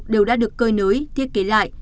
đều đã được cơi nới thiết kế lại